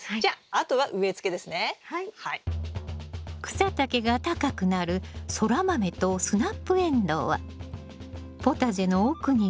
草丈が高くなるソラマメとスナップエンドウはポタジェの奥に植え